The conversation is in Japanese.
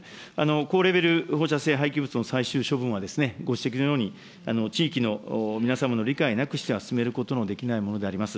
高レベル放射性廃棄物の最終処分はですね、ご指摘のように、地域の皆様の理解なくしては進めることのできないものであります。